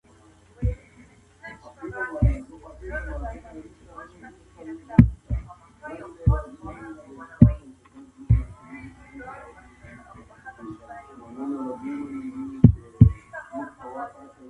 هغوی د مڼې اوبو په څښلو بوخت دي.